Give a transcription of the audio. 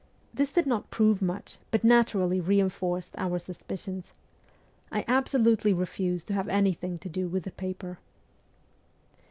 This did not prove much, but naturally reinforced our suspicions. I absolutely refused to have anything to do with the paper.